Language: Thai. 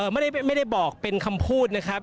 ไม่ได้บอกเป็นคำพูดนะครับ